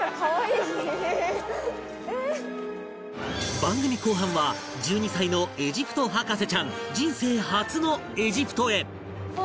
番組後半は１２歳のエジプト博士ちゃん人生初のエジプトへ